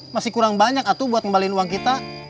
masih kurang banyak atu buat ngembalin uang kita